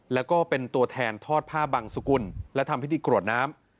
แล้วก็เป็นตัวแทนทอดผ้าบังสุกุลและทำพิธีกรวดน้ำ